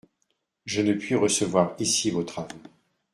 Je ne puis recevoir ici votre aveu.